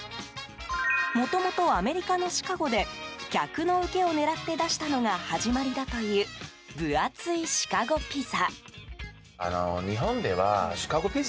もともとアメリカのシカゴで客の受けを狙って出したのが始まりだという分厚いシカゴピザ。